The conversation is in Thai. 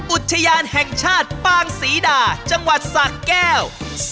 อุทยานแห่งชาติปางศรีดาจังหวัดสะแก้ว